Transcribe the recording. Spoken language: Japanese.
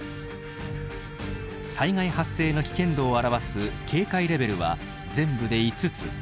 災害発生の危険度を表す警戒レベルは全部で５つ。